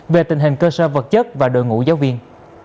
về tình hình cơ sở vật chất và đội ngũ giáo viên